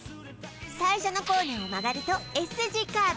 最初のコーナーを曲がるとＳ字カーブ